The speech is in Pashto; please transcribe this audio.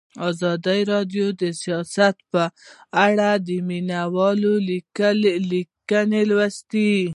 ازادي راډیو د سیاست په اړه د مینه والو لیکونه لوستي.